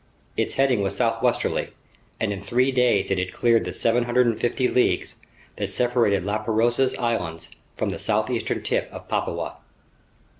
Its heading was southwesterly, and in three days it had cleared the 750 leagues that separated La Pérouse's islands from the southeastern tip of Papua.